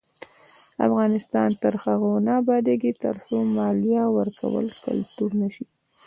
افغانستان تر هغو نه ابادیږي، ترڅو مالیه ورکول کلتور نشي.